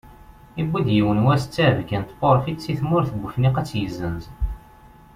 Yuwi-d yiwen wass ttɛebgga n tpurfit seg tmurt n Wefniq ad tt-yesenz.